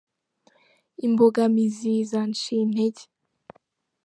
imbogamizi zanciye intege.